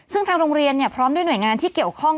ซึ่งทางโรงเรียนพร้อมด้วยหน่วยงานที่เกี่ยวข้อง